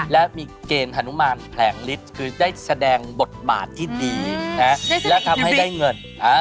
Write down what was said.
และมีเกณฑ์ฮานุมานแผลงฤทธิ์คือได้แสดงบทบาทที่ดีและทำให้ได้เงิน